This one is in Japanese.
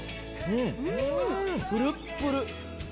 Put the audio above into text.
ぷるっぷる。